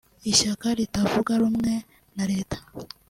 Ishyaka ritavuga rumwe na Leta